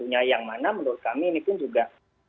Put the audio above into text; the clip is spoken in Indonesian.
yang mana menurut kami ini pun juga